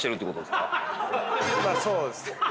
まあそうです。